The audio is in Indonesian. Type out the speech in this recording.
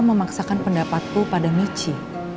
memaksakan pendapatku pada michi